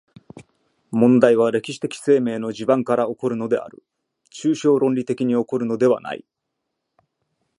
問題は歴史的生命の地盤から起こるのである、抽象論理的に起こるのではない。